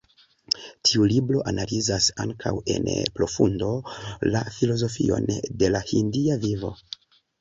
Tiu libro analizas ankaŭ en profundo la filozofion de la hindia vivo.